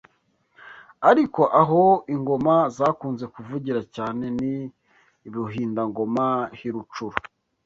Ariko aho ingoma zakunze kuvugira cyane ni I Buhindangoma h’I Rucuro